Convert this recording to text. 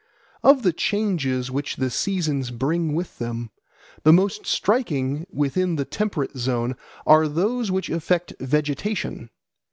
Of the changes which the seasons bring with them, the most striking within the temperate zone are those which affect vegetation.